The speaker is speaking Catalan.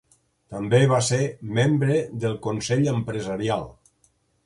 També va ser membre del Consell Empresarial.